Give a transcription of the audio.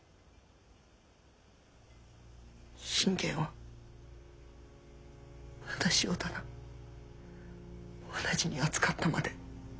信玄は私をただ同じに扱ったまで。